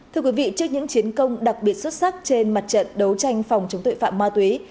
thưa quý vị trước những chiến công đặc biệt xuất sắc trên mặt trận đấu tranh phòng chống tội phạm ma túy